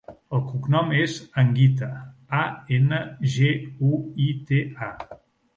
El cognom és Anguita: a, ena, ge, u, i, te, a.